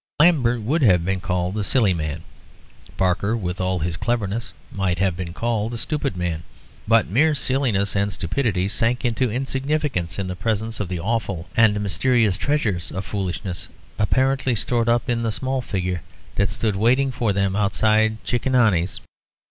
Lambert would have been called a silly man; Barker, with all his cleverness, might have been called a stupid man. But mere silliness and stupidity sank into insignificance in the presence of the awful and mysterious treasures of foolishness apparently stored up in the small figure that stood waiting for them outside Cicconani's.